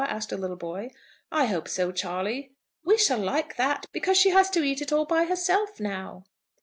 asked a little boy. "I hope so, Charley." "We shall like that, because she has to eat it all by herself now."